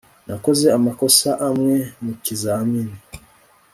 nakoze amakosa amwe mukizamini